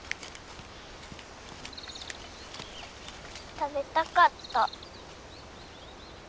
食べたかった。